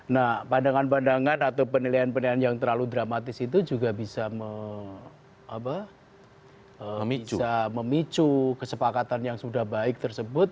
nah pandangan pandangan atau penilaian penilaian yang terlalu dramatis itu juga bisa memicu kesepakatan yang sudah baik tersebut